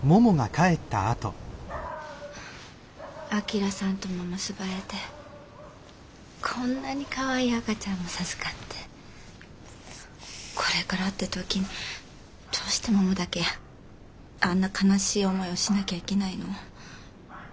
旭さんとも結ばれてこんなにかわいい赤ちゃんも授かってこれからって時にどうしてももだけあんな悲しい思いをしなきゃいけないの？